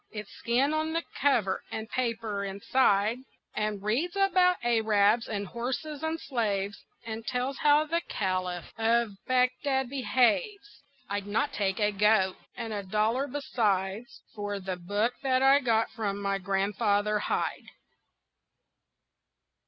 It's skin on the cover and paper inside, And reads about Arabs and horses and slaves, And tells how the Caliph of Bagdad behaves. I'd not take a goat and a dollar beside For the book that I got from my Grandfather Hyde.